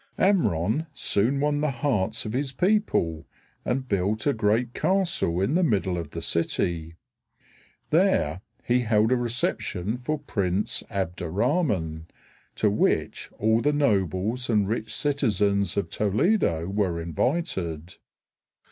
Amron soon won the hearts of his people and built a great castle in the middle of the city. There he held a reception for Prince Abd er Rahman, to which all the nobles and rich citizens of Toledo were invited.